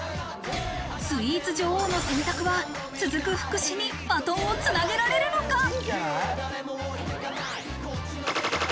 スイーツ女王の選択は続く福士にバトンをつなげられるのか？